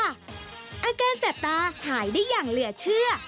อาการแสบตาหายได้อย่างเหลือเชื่อ